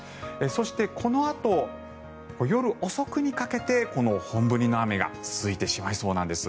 そしてこのあと夜遅くにかけて本降りの雨が続いてしまいそうなんです。